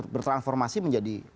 bertransformasi menjadi islamatik